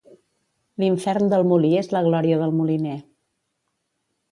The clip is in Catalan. L'infern del molí és la glòria del moliner.